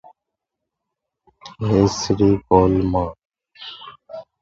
Others do so on a casual basis.